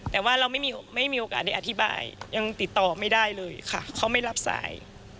แต่ว่าเราไม่มีโอกาสได้อธิบายยังติดต่อไม่ได้เลยค่ะเขาไม่รับสาย